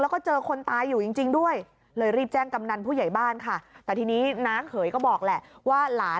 แล้วก็เจอคนตายอยู่จริงจริงด้วยเลยรีบแจ้งกำนันผู้ใหญ่บ้านค่ะ